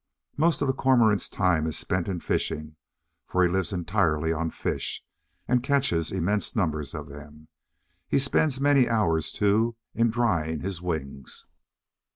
Most of the Cormorant's time is spent in fishing, for he lives entirely on fish, and catches immense numbers of them. He spends many hours, too, in drying his wings.